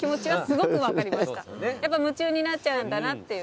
やっぱ夢中になっちゃうんだなっていう。